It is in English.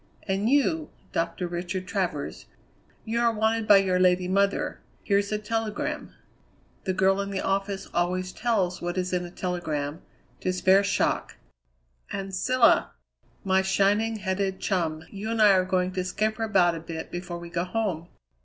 And you, Doctor Richard Travers, you are wanted by your lady mother. Here's a telegram. The girl in the office always tells what is in a telegram, to spare shock. And Cilla, my shining headed chum, you and I are going to scamper about a bit before we go home.